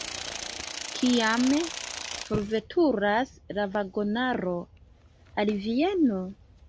Kiam forveturas la vagonaro al Vieno?